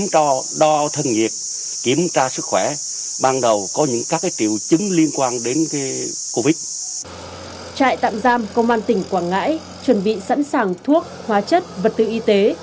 trại tạm giam công an tỉnh quảng ngãi chuẩn bị sẵn sàng thuốc hóa chất vật tư y tế